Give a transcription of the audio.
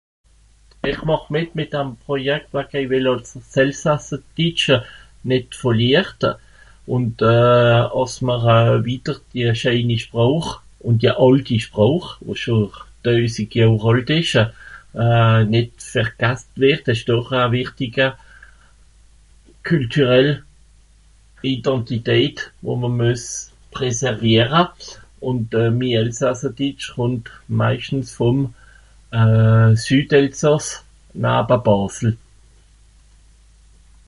Ìch màch mìt dam Projekt wìl ìch wìll àss s'Elsasserditscha nìt verliert. Ùnd euh... àss mr euh... wìdder die scheeni Spràch ùn die àlti Spràch, wo scho doeisig Johr àls ìsch nìt vergasst wìrd ìsch doch a wìchtiga Kültürellidentität, wo mr mües preserviera. Ùnd euh... mi Elsasserditsch chùmmt meischtens vùm euh... Südelsàss, naba Bàsel.